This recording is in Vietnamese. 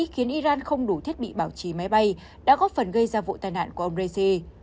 khiến iran không đủ thiết bị bảo trí máy bay đã góp phần gây ra vụ tàn nạn của ông raisi